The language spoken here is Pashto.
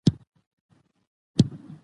ځنګلونه مه قطع کوئ